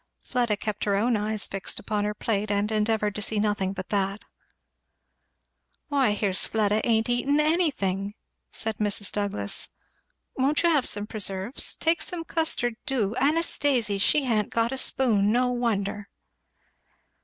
Fleda kept her own eyes fixed upon her plate and endeavoured to see nothing but that. "Why here's Fleda ain't eating anything," said Mrs. Douglass. "Won't you have some preserves? take some custard, do! Anastasy, she ha'n't a spoon no wonder!"